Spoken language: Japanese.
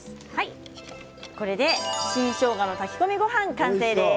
これで新しょうがの炊き込みごはん完成です。